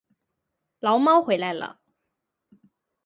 牢猫回来了